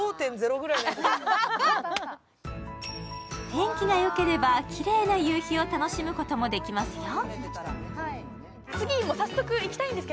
天気がよければきれいな夕日を楽しむこともできますよ。